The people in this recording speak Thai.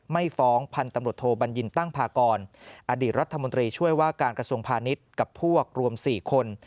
ไม่ฟ้องพันธุ์ตำรวจโทบัญญินตั้งพากรอดีตรัฐมนตรีช่วยว่าการกระทรวงพาณิชย์กับพวกรวม๔คน